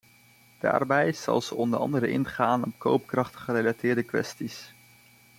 Daarbij zal ze onder andere ingaan op koopkrachtgerelateerde kwesties.